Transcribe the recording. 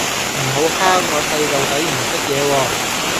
唔好蝦我細路仔唔識野喎